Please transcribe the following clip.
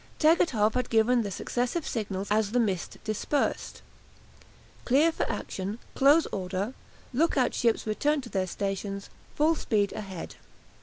Tegethoff had given the successive signals as the mist dispersed, "Clear for action Close order Look out ships return to their stations Full speed ahead."